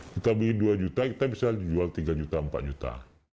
kita beli dua juta kita bisa jual tiga juta empat juta